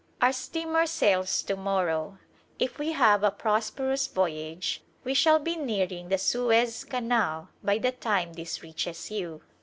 Our steamer sails to morrow. If we have a pros perous voyage we shall be nearing the Suez Canal by the time this reaches you.